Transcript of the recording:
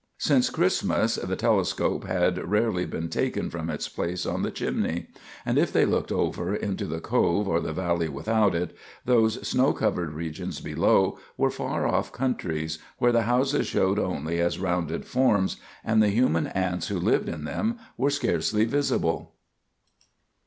Since Christmas the telescope had rarely been taken from its place on the chimney, and if they looked over into the Cove or the valley without it, those snow covered regions below were far off countries, where the houses showed only as rounded forms, and the human ants who lived in them were scarcely visible.